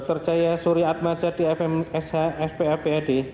dr jaya surya atmaca di fmsh fpf pad